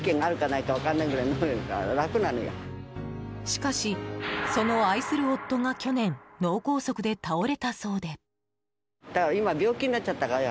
しかし、その愛する夫が去年、脳梗塞で倒れたそうで。